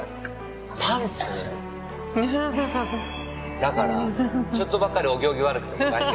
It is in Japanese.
だからちょっとばかりお行儀悪くても大丈夫。